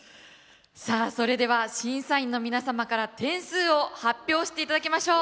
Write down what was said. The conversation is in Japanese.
さあそれでは審査員の皆様から点数を発表していただきましょう。